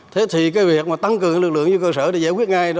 thế thì việc tăng cường lực lượng như cơ sở để giải quyết ngay